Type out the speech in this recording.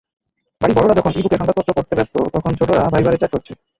বাড়ির বড়রা যখন ই-বুকে সংবাদপত্র পড়তে ব্যস্ত, তখন ছোটরা ভাইবারে চ্যাট করছে।